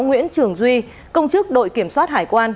nguyễn trường duy công chức đội kiểm soát hải quan